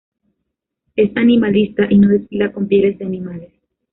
Es animalista y no desfila con pieles de animales.